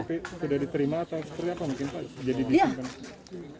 kopi sudah diterima atau seperti apa mungkin pak